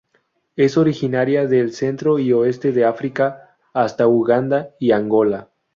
Es originaria del centro y oeste de África hasta Uganda y Angola.